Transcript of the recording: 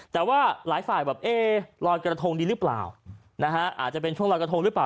แต่ว่าหลายฝ่ายแบบเอ๊ลอยกระทงดีหรือเปล่านะฮะอาจจะเป็นช่วงลอยกระทงหรือเปล่า